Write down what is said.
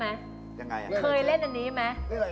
แต่เคยเล่นแบบนี้ไหม